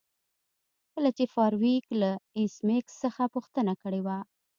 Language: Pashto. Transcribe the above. کله چې فارویک له ایس میکس څخه پوښتنه کړې وه